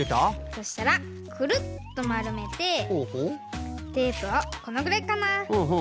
そしたらくるっとまるめてテープをこのぐらいかなペタッと。